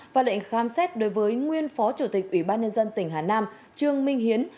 và lệnh khám xét đối với nguyên phó chủ tịch ủy ban nhân dân tỉnh hà nam trương minh hiến